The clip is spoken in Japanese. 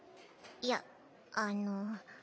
いやあの。